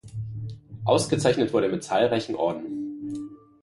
Ausgezeichnet wurde er mit zahlreichen Orden.